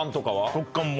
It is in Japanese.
食感も？